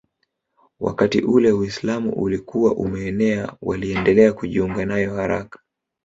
Wakati ule Uislamu ulikuwa umeenea waliendelea kujiunga nayo haraka